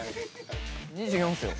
２４っすよ。